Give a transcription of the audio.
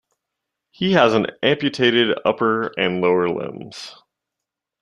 He has an amputated upper and lower limbs.